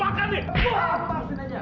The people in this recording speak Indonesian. dan angin enak activists gini chiniknya